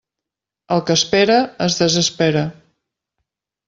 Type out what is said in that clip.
El que espera, es desespera.